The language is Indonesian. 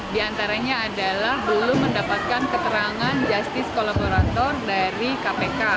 di antaranya adalah belum mendapatkan keterangan justice kolaborator dari kpk